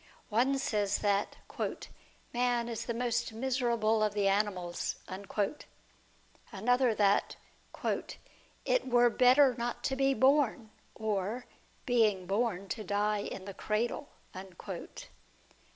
One says that " man is the most miserable of the animals." Another that, " it were better not to be born, or, being born, to die in the cradle."